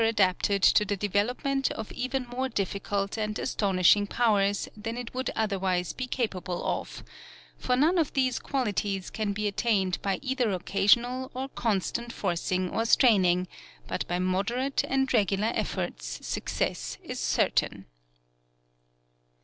21 adapted to the development of even more difficult and astonishing powers than it would otherwise be capable of; for none of these qualities can be attained by either occasional or constant forcing or straining ; but by moderate and regular efforts success is cer tain.